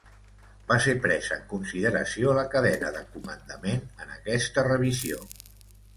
Va ser presa en consideració la cadena de comandament en aquesta revisió.